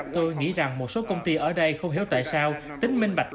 tôi nghĩ rằng một số công ty ở đây không hiểu tại sao tính minh bạch